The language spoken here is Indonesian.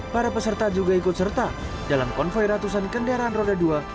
para peserta juga ikut serta dalam konvoy ratusan kendaraan roda dua